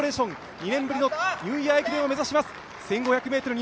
２年ぶりのニューイヤー駅伝を目指します。